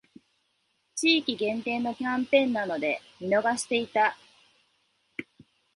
地域限定のキャンペーンなので見逃していた